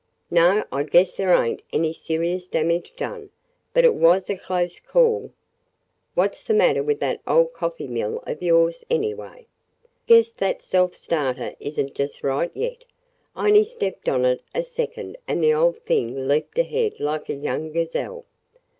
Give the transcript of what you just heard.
"No, I guess there ain't any serious damage done, but it was a close call. What 's the matter with that old coffee mill of yours, anyway?" "Guess that self starter is n't just right yet. I only stepped on it a second and the old thing leaped ahead like a young gazelle!